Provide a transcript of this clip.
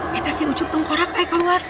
kita sih ucup tengkorak ayo keluar